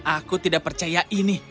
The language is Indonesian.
aku tidak percaya ini